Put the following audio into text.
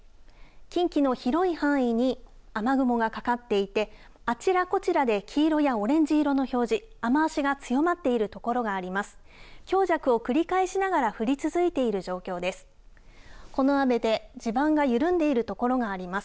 近畿の広い範囲に雨雲がかかっていて、あちらこちらで黄色やオレンジ色の表示、雨足が強まっている所があります。